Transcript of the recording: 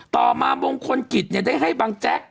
ต่อมาวงคลกฤตให้บางแจ๊ก